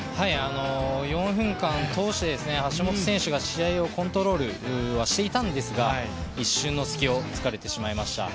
４分感通して、橋本選手が試合をコントロールはしていたんですが一瞬の隙を突かれてしまいました。